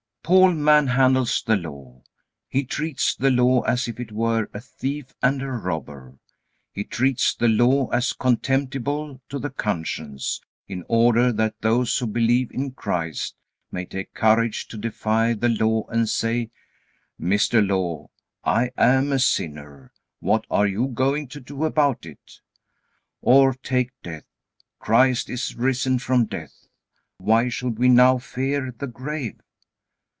Paul manhandles the Law. He treats the Law as if it were a thief and a robber He treats the Law as contemptible to the conscience, in order that those who believe in Christ may take courage to defy the Law, and say: "Mr. Law, I am a sinner. What are you going to do about it?" Or take death. Christ is risen from death. Why should we now fear the grave?